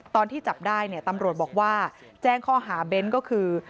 ตอนที่จับได้เนี่ยตำรวจบอกว่าแจ้งข้อหาเบ้นก็คือ